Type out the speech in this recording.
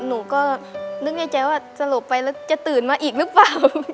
หนูก็นึกในใจว่าสลบไปแล้วจะตื่นมาอีกหรือเปล่า